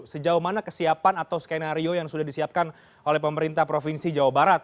sejauh mana kesiapan atau skenario yang sudah disiapkan oleh pemerintah provinsi jawa barat